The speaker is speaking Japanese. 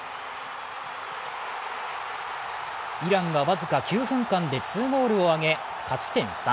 イランが僅か９分間で２ゴールを挙げ、勝ち点３。